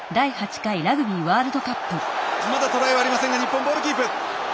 まだトライはありませんが日本ボールキープ。